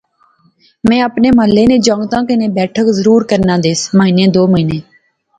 میں اپنے محلے نے جنگتیں کنے بیٹھک ضرور کرنا دیس، مہینے دو مہینے